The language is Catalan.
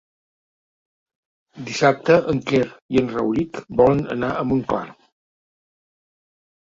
Dissabte en Quer i en Rauric volen anar a Montclar.